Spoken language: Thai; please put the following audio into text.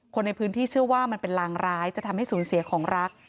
คนในพื้นที่เชื่อว่ามันเป็นรางร้ายจะทำให้สูญเสียของรัก